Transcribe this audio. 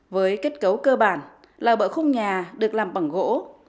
với kết cấu cơ bản là bỡ khung nhà được làm bằng gỗ